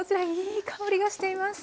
いい香りがしています。